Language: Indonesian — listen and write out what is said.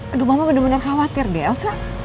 aduh mama bener bener khawatir deh elsa